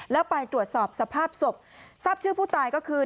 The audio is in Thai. แล้วไปตรวจสอบสภาพศพทราบชื่อผู้ตายก็คือ